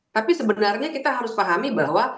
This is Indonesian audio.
tapi sebenarnya kita harus pahami bahwa